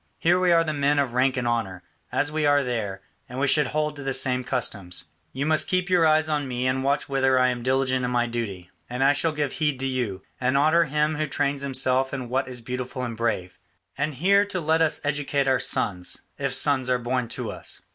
Here we are the men of rank and honour, as we are there, and we should hold to the same customs. You must keep your eyes on me and watch whether I am diligent in my duty, and I shall give heed to you, and honour him who trains himself in what is beautiful and brave. And here too let us educate our sons, if sons are born to us.